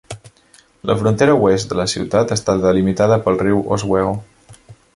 La frontera oest de la ciutat està delimitada pel riu Oswego.